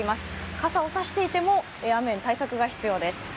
傘を差していても雨の対策が必要です。